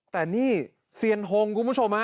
แต่นี่เซียนฮงคุณผู้ชมฮะ